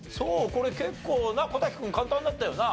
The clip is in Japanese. これ結構な小瀧君簡単だったよな？